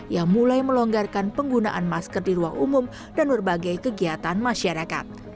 yang mulai melonggarkan penggunaan masker di ruang umum dan berbagai kegiatan masyarakat